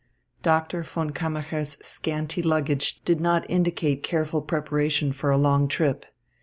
Doctor von Kammacher's scanty luggage did not indicate careful preparation for a long trip.